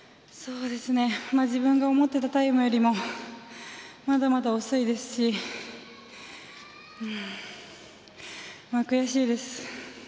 自分が思ってたタイムよりもまだまだ遅いですし悔しいです。